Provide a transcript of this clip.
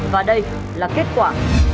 và đây là kết quả